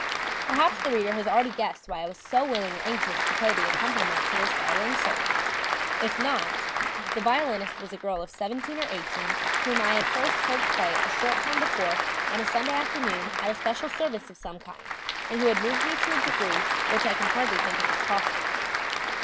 Perhaps the reader has already guessed why I was so willing and anxious to play the accompaniment to this violin solo; if not the violinist was a girl of seventeen or eighteen whom I had first heard play a short time before on a Sunday afternoon at a special service of some kind, and who had moved me to a degree which now I can hardly think of as possible.